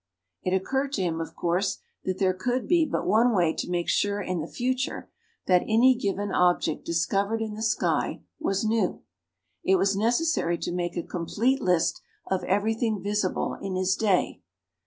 It occurred to him, of course, that there could be but one way to make sure in the future that any given object discovered in the sky was new; it was necessary to make a complete list of everything visible in his day.